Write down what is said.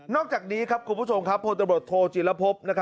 นอกจากนี้ครับคุณผู้ชมครับพบโทษิลภพ